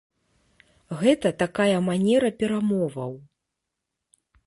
Гэта такая манера перамоваў.